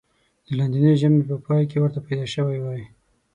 د لاندېنۍ ژامې په پای کې ورته پیدا شوی و.